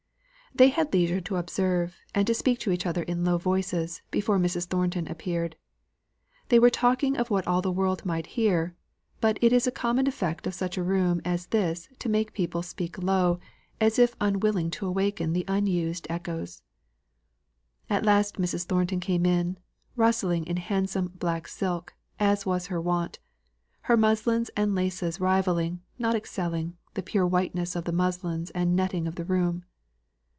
They had leisure to observe, and to speak to each other in low voices, before Mrs. Thornton appeared. They were talking of what all the world might hear; but it is a common effect of such a room as this to make people speak low, as if unwilling to awaken the unused echoes. At last Mrs. Thornton came in, rustling in handsome black silk, as was her wont; her muslins and laces rivalling, not excelling, the pure whiteness of the muslins and netting of the room.